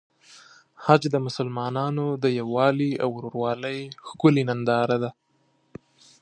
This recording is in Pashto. حج د مسلمانانو د یووالي او ورورولۍ ښکلی ننداره ده.